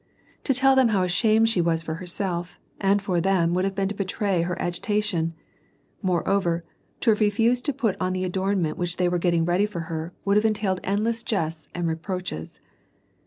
To tell them how ashamed she was for herself, and for them would have been to betray her agitation ; moreover, to have refused to put on the adornment which they were getting ready for her, would have entailed endless jests and reproaches.